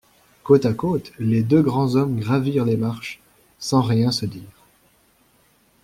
Côte à côte, les deux grands hommes gravirent les marches, sans rien se dire.